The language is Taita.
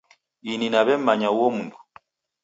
Ini naw'emmanya uho mdu